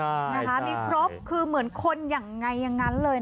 มีครบคือเหมือนคนอย่างไงอย่างนั้นเลยนะครับ